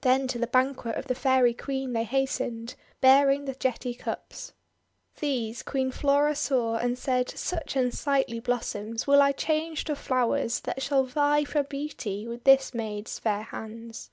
Then to the banquet of the Fairy Queen they hastened, bear ing the jetty cups. These Queen Flora saw, and said, "Such un sightly blossoms will I change to flowers that shall vie for beauty with this maid's fair hands."